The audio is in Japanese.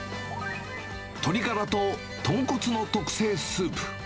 鶏ガラと豚骨の特製スープ。